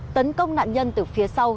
tấn công nạn nhân từ phía sau